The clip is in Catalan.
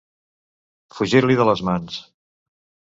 Fugir-li de les mans.